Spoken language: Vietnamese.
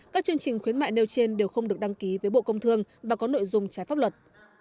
các chương trình khuyến mại nêu trên đều không được đăng ký với bộ công thương và có nội dung trái pháp luật